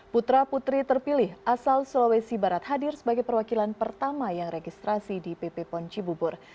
putra putri terpilih asal sulawesi barat hadir sebagai perwakilan pertama yang registrasi di pp ponci bubur